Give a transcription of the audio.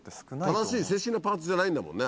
正しい正式なパーツじゃないんだもんね。